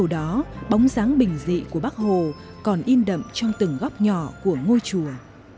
trong đó bóng sáng bình dị của bác hồ còn in đậm trong từng góc nhỏ của ngôi chùa